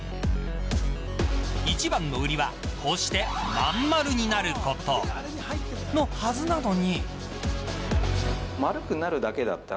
一番の売りはこうして、まん丸になることのはずなのに。